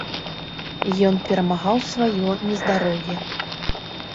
Ён перамагаў сваё нездароўе.